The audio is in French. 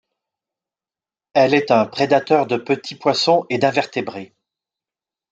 Elle est un prédateur de petits poissons et d'invertébrés.